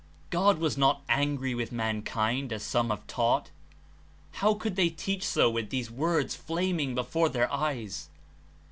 God was not angry with mankind, as some have taught. How could they teach so with these words flaming before their eyes?